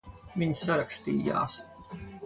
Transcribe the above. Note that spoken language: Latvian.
Viņi sarakstījās.